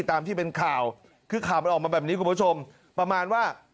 ตามที่เป็นข่าวคือข่าวมันออกมาแบบนี้คุณผู้ชมประมาณว่า